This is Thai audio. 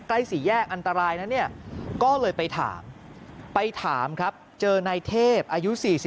สี่แยกอันตรายนะเนี่ยก็เลยไปถามไปถามครับเจอนายเทพอายุ๔๒